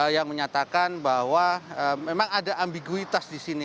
yang menyatakan bahwa memang ada ambiguitas di sini